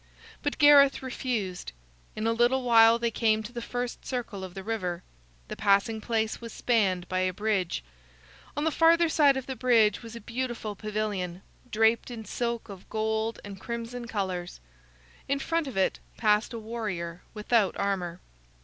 But Gareth refused. In a little while they came to the first circle of the river. The passing place was spanned by a bridge. On the farther side of the bridge was a beautiful pavilion, draped in silk of gold and crimson colors. In front of it passed a warrior without armor.